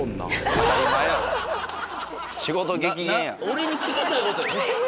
俺に聞きたいことえっ！？